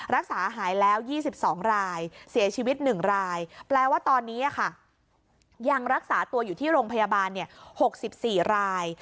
รักษาหายแล้ว๒๒รายเสียชีวิต๑รายแปลว่าตอนนี้ยังรักษาตัวอยู่ที่โรงพยาบาล๖๔ราย